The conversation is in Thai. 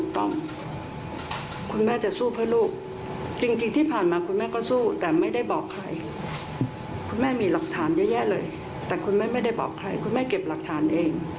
แต่คุณแม่ไม่ได้บอกใครคุณแม่เก็บหลักฐานเอง